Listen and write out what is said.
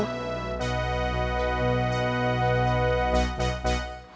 jadi gue mau ke rumah